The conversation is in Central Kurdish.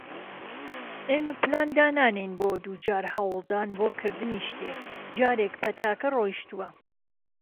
ئێمە پلان دانانێین بۆ " دووجار هەوڵدان بۆ کردنی شتێک"جارێک پەتاکە ڕۆیشتووە.